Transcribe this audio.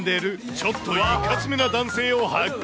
ちょっといかつめな男性を発見。